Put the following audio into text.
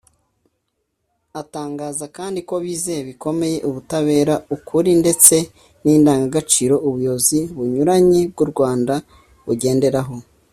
atangaza kandi ko bizeye bikomeye ubutabera ukuri ndetse n’indangagaciro ubuyobozi bunyuranye bw’u Rwanda bugenderaho